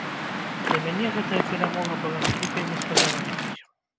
Для мяне гэтая перамога была вялікай неспадзяванкай.